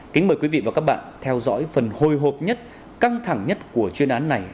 kính mời quý vị và các bạn theo dõi phần hồi hộp nhất căng thẳng nhất của chuyên án này